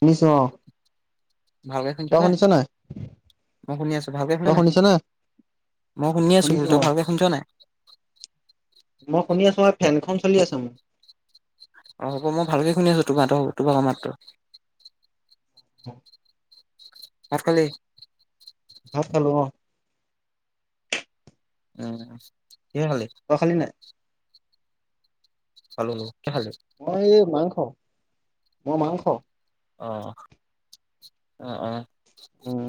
ঊনিশ ভালকে শুনছ নে? মই শুনি আছো। ভালকে শুনিছো তই নাই? শুনিছ মই শুনি আছো। শুনিছো তই অ ভালকে শুনিছ নাই? মই শুনি আছো হয়। ফেনখন চলি আছ মোক। অ হ'ব মই ভালকে শুনি আছো তোমাতব তোমাৰ ক মাত্ৰ [inaudible] ভাত খালী? ভাত খালো অহ '। উম। কিহে খালী? তই খালি নাই আলু মই এই মাংস। মই মাংস। আহ আহ আহ উম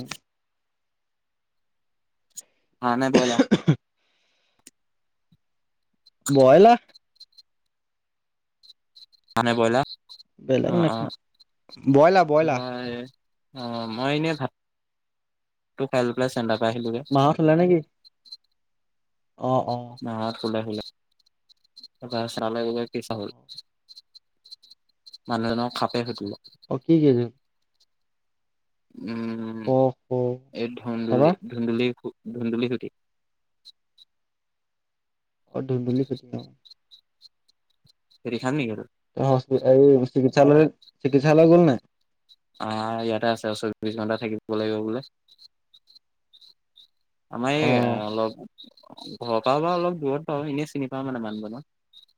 হ নাই ব'ইলা বইলা হয় নে ব ই'লা বেলেগ নাখায়, বইলা বইলা। তাৰপা এই অ মই এনে থাক [unintelligible] মাহঁত শুলে নেকি? অ অ মাহঁত শুলে শুলে। [unintelligible] মানুহ এজনক সাপে খোটিলে। অ' কি [unintelligible] উম অ অ এই তাৰপা ধুন্দুলি ধুন্দুলি ধুন্দুুলি গুটি অ ধুনদুলী ফেটি খুটি খাম নেকি এইটো? এই চিকিৎসালয় চিকিৎসালয় গল ন আহ ইয়াতে আছে চৌবিশ ঘণ্টা থাকিবিব লাগিব বোলে? আমাৰ অ এই অলপ ঘৰৰ পৰা বাৰু অলপ দূৰত বাৰু। এনেই চিনি পাওঁ মানে মানুহ জনক।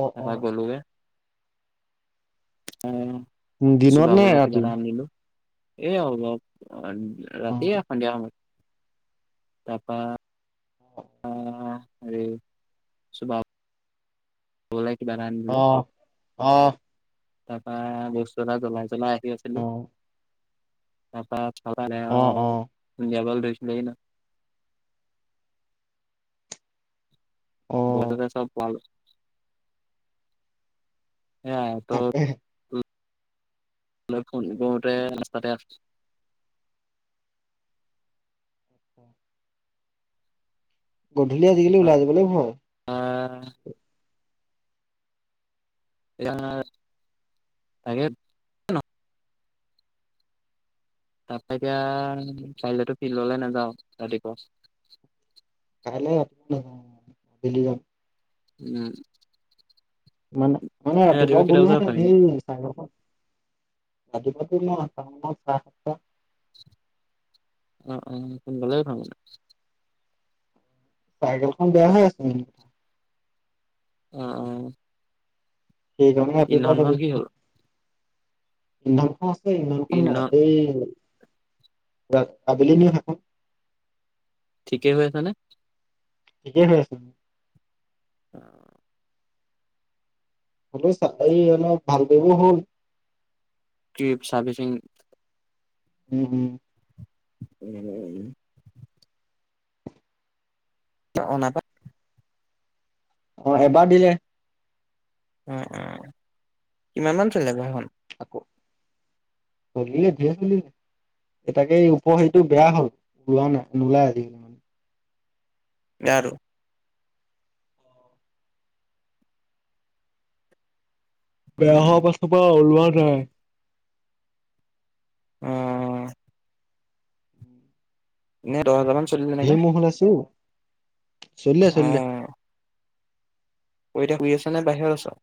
অ অ এবাৰ গলোগে এ দিনত নে ৰাতি? এ হ অ ৰাতি সন্ধিয়া সমাজ তাপা আহ [unintelligible] বলে আহ আহ তাৰ পৰা বস্তু এটা জ্বলাই জ্বলাই আহি আছিলো। অ তাৰপৰা অ অ [unintelligible] উলিয়াবো লৈছিল ন অ বছতে চব পাল [inaudible] এ ত তাকেহে [unintelligible] ফোন কৰোতে ৰাস্তাতে আছো। গধূলি আজিকালি ওলাই যাবলৈ ভয়। অ [unintelligible] তাকে ন এতিয়া কাইলেতো ফিল্ডলৈ নাযাওঁ ৰাতিপুৱা। [unintelligible] উম। মান মানে ৰাতিপুৱা কেইটা বজাত উঠ গ'লোহেতেন এনে চাই [unintelligible] অ -অ ভালে ভাল চাইকেলখন বেয়া হৈ আছে ম অ' ইন্ধনখন কি হ'ল [unintelligible] ইমধান খ আছে ইমধান খন ইন্ধন আছেই আবেলি নে হাসন‌ কে হৈ আছেনে? ঠিকে হৈ আছে। অ। হল চাবা ই অলপ ভাল দিব হল। [unintelligible] চাৰ্ভিচিং উম হোম। উম উম উম। [unintelligible] অ এবাৰ দিলে। অ, অ, কিমান মান চলে বাৰো সেইখন‌? [inaudible] অলিলে ধিয়িলে‌ এ তাকে এই উপহাৰটো বেয়া হ'ল ওলোৱা নাই নোলায় আজিকালি মানে। আৰু বেয়া হোৱা পাছ পৰা ওলোৱা নাই অ। এ দহ হজাৰ মান চলিলে নেকি ধেৰ নে? মহ ওলাইছে অ'। চলিলে চলিলে অহ। তয় এতিয়া শুই আছ নে বাহিৰত আছ?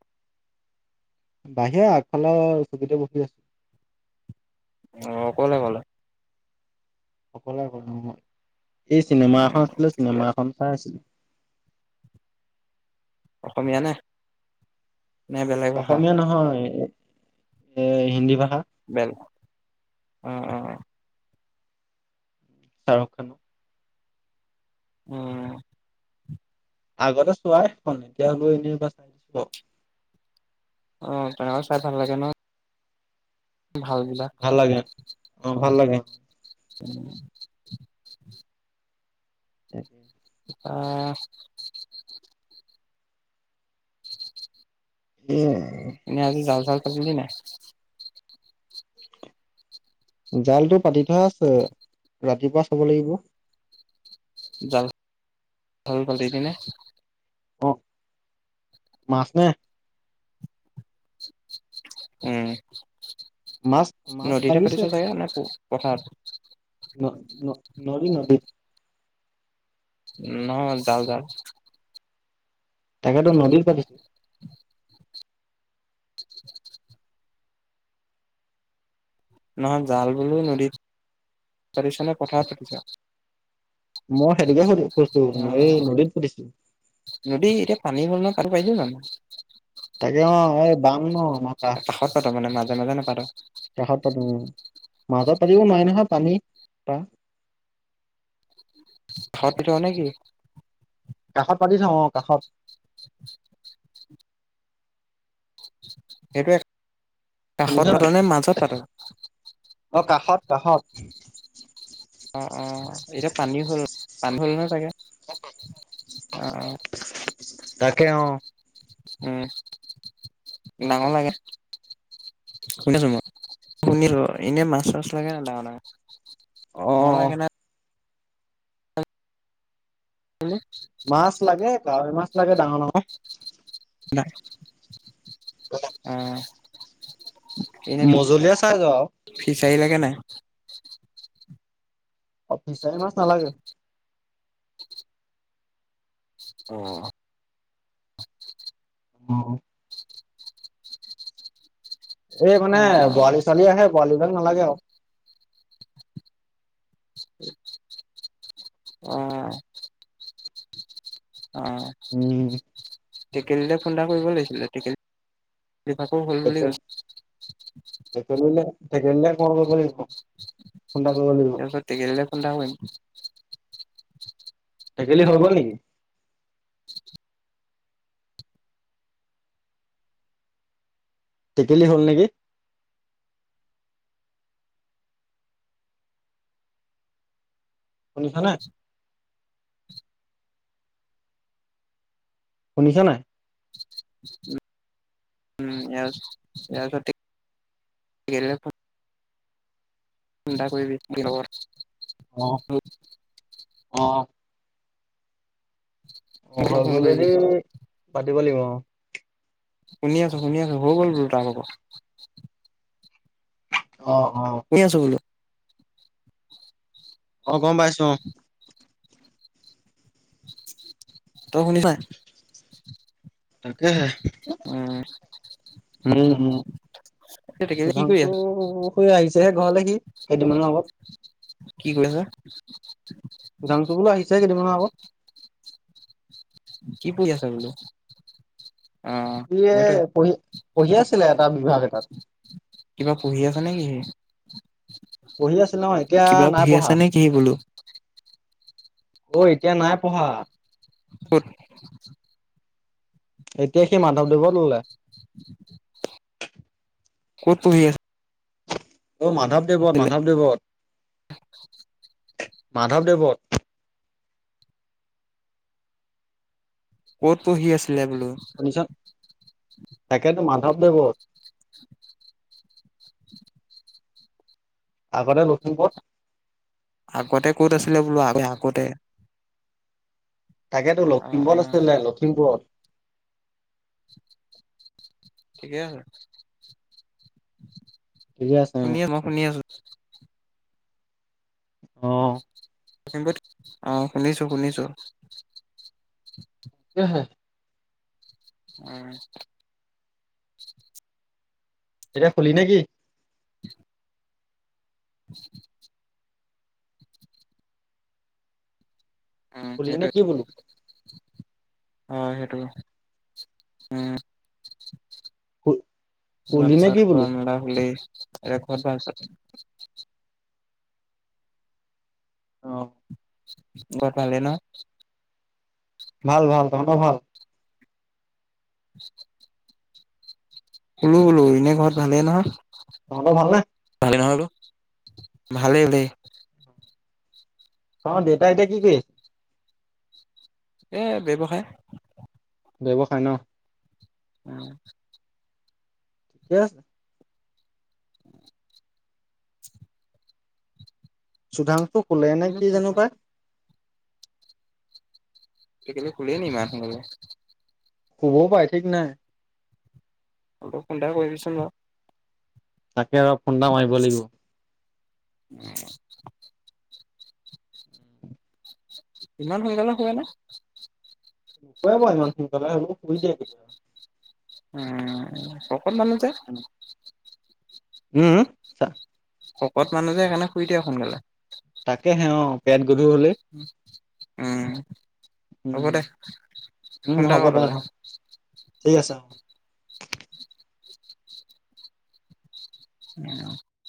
বাহিৰা আগফালে চখিতে বহি আছো। অ ক'লে হ'ল। অক এই চিনেমা এখন উম আছিলে ঠিকে চিনেমা আছে। এখন চাই আছিলে। অসমীয়ানে? অসমীয়া নহয় এ হিন্দী ভাষ বেল অ অ অ। চাহৰ খানো উম। আগতে চোৱা সেইখন এতিয়া লৈ এনেই এবাৰ চাই দিব। অ, তেনে ছায় ভাল লাগে ন? ভাল দিবা। ভাল লাগে অ ভাল লাগে। [unintelligible] তাক অ উম। বুজিলি নাই? জালতটো পাতি থোৱা আছে, ৰাতিপুৱা চাব লাগিব। জাল [unintelligible] অ', মাছ নে? উম মাছ মাছ নদীতে লাগিছে পাতিছে চাগে নে পথাৰত ন ন নদী নদী নহ জাল জাল তাকেতো নদীত পাতি নহয় জাল বুলো নদীত পাতিছনে পথাৰত পাতিছ মই সেইটোকে সুধি কছো হেৰি অ', নদীত পাতিছো নদী এতিয়া পানী হল নহয়, পাতিব পাৰিব জানো? তাকে অ এই বাম ন আমাৰ কাষ কাষত পাতো মানে মাজে, মাজে নেপাতো। কাষত পাতো মাজত পাতিব নোৱাৰি নহয় পানী পা। [unintelligible] কাষত পাতি থওঁ অ কাষত সেইটো কাষত শুনিছ পাত নাই নে মাজত পাতা অ কাষত কাষত পানীও অ', তাকে, অ'। উম ডাঙৰ লাগে শুনি আছো মই শুনিছো এনে মাছ চাছ লাগে ন ডাঙৰ ডাঙৰ অ ভাল লাগে ন বোলো মাছ লাগে কাৱৈ মাছ লাগে ডাঙৰ ডাঙৰ ন আহ মজলীয়া চাই য আওঁ চাৰিলাগে নাই? অফিচাই মাছ নালাগ অ অ এই মানে অ', বৰালি চৰালি আহে বৰাালি ভাগ নালাগে আওঁ অ অ উম টেকেলি লৈ ফোন এটা কৰিব লাগিছিলে টেকেল বিভাকো হল বুলি কৈছ তেকেলি তেকেলিলে ফোন এটা কৰিব লাগিব তাজত টেকেলি লৈ ফোন এটা কৰিম টেকেলি হই গল নেকি টেকেলি হ'ল নেকি? শুনিছা নে শুনিছা নাই উ উম [unintelligible] ফোন এটা কৰিবি অ হ অহ অ মোক হৈ ফোন কৰিবি গলদি পাতিব লাগিব অ শুনি আছো শুনি আছো হৈ গ'ল বোলো তাৰ আকৌ অ', অ'। আছো বোলো অ গম পাইছো অ তই শুনিছ নাই তাকেহে উমা উম উম কি কৰি সধাংছু আছা শেই আহিছেহে ঘৰলৈ সি। কেইদিনমানৰ আগত। কি কৰিছা সুধাংশু বোলো আহিছে কেইদিবান আগত। কি কৰিছা বলো? ই পঢ়ি পঢ়ি আছিলে এটা বিভাগ এটাত কিবা পঢ়ি আছা নেকি স পঢ়ি আছিল ন' এতিয়া কিবা নাই পঢ়ি পঢ়া। আছা নে কি বোলো অ' এতিয়া নাই পঢ়া। উ, এতিয়া সি মাধৱদেৱত ললে [inaudible] অ' মাধৱদেৱত আছিলে মাধৱদেৱত মাধৱদেৱত, ক'ত পঢ়ি আছিলে বোলো? ভাবে [unintelligible] আগতে নতুন ক'ত। আগতে ক'ত আছিলে বোলো আ আগতে। তাকেতো অ অ লখিমপুৰত আছিল ন লখিমপুৰত ঠিকেই আছে। ঠিকে আছে শুনি আছো মই শুনি আছো। অ অ লখিমপুৰ আহ শুনিছো শুনিছো। উম। এতি খুলি নেকি? [unintelligible] উম খুলি নে সেইটোৱে। কি বোলো অ' সেইটো, উম। হয়। [inaudible] অ ঘৰ পালে ন' ভাল ভাল তহতৰ ভাল [unintelligible] বোলো বোলো এনে ঘৰত ভালেই ন তহঁতৰ ভালনে ভালে নহয়লো ভালেই দেই, অ' দেউতা এতিয়া কি কৰি আছে। এ ব্যৱসায় ব্যৱসায় ন' উম। ঠিকে আছে। চুধাংশটো খোলে নে কি জানো পাই। সিকি খুলনি ইমান সকে, শুবও পায় ঠিক নাই। অ' কুন্দা কৰি পিচ ন' তাকে অলপ ফুডা মাৰিব লাগিব। উম। ইমান সোনকালে শুয়ে নে, নুকুৱ ইমান সোনকালে হ শুই দেই সি উম ককত বানু যে, উম উম শকত মানুহ যে সেইকাৰণে শুই দিয়ে সোনকালে, তাকে হে অ', পেন উম, হ'ব উম দে। উম হোণ্ডা হ'ব কত দে হলে? ঠিক আছে অ'। উ